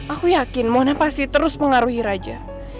aku yakin mone pasti terus mengaruhi raja